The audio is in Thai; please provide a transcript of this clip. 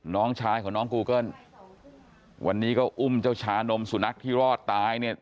น้องชายของน้องกูเกิ้ลวันนี้ก็อุ้มเจ้าชานมสุนัขที่รอดตายเนี่ย